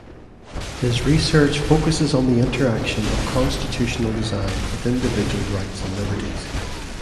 His research focuses on the interaction of constitutional design with individual rights and liberties.